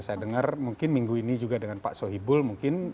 saya dengar mungkin minggu ini juga dengan pak sohibul mungkin